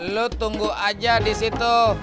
lu tunggu aja di situ